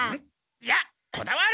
いやこだわる！